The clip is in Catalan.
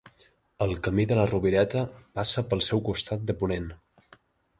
El Camí de la Rovireta passa pel seu costat de ponent.